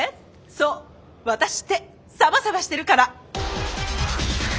そうワタシってサバサバしてるから！